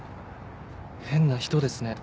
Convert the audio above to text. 変な人ですね